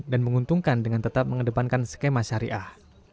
dan menguntungkan dengan tetap mengedepankan skema syariah